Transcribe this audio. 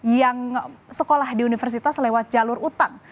yang sekolah di universitas lewat jalur utang